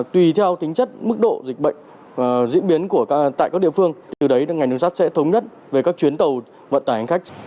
tùy theo tính chất mức độ dịch bệnh và diễn biến tại các địa phương từ đấy ngành đường sắt sẽ thống nhất về các chuyến tàu vận tải hành khách